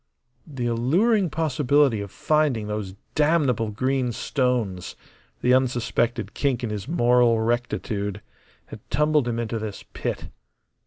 The alluring possibility of finding those damnable green stones the unsuspected kink in his moral rectitude had tumbled him into this pit.